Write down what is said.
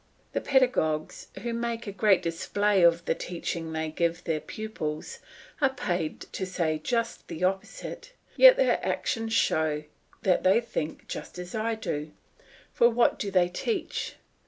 The pedagogues, who make a great display of the teaching they give their pupils, are paid to say just the opposite; yet their actions show that they think just as I do. For what do they teach?